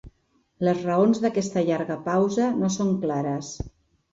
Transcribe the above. Les raons d'aquesta llarga pausa no són clares.